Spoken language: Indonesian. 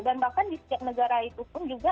dan bahkan di setiap negara itu pun juga